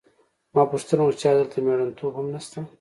ما پوښتنه وکړه چې ایا دلته مېړنتوب هم نشته